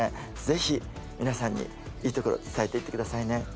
ぜひ皆さんにいいところ伝えていってくださいね